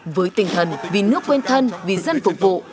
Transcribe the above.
với tinh thần vì nước quên thân vì dân phục vụ